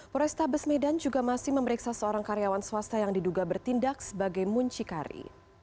polrestabes medan juga masih memeriksa seorang karyawan swasta yang diduga bertindak sebagai muncikari